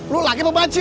lu lagi mau bantu